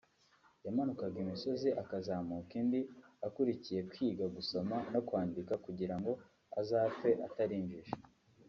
yamanukaga imisozi akazamuka indi akurikiye kwiga gusoma no kwandika kugira ngo azapfe atari injiji